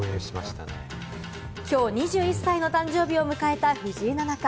きょう２１歳の誕生日を迎えた藤井七冠。